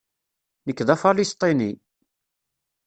Nekk d Afalesṭini.